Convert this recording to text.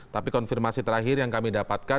tapi konfirmasi terakhir yang kami dapatkan